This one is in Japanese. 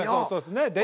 そうです。